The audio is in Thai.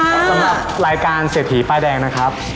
สำหรับรายการเศรษฐีป้ายแดงนะครับ